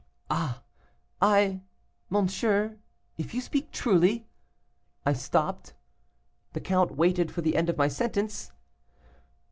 "'Ah I monsieur, if you speak truly ' I stopped. The count waited for the end of my sentence.